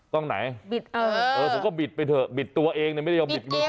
กล้องไหนเออผมก็บิดไปเถอะบิดตัวเองไม่ได้ยอมบิดเหล็กนึง